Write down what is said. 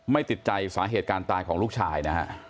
ติดใจสาเหตุการณ์ตายของลูกชายนะฮะ